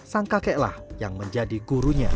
sang kakeklah yang menjadi gurunya